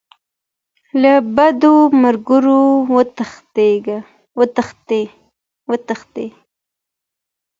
له بدو ملګرو وتښتئ.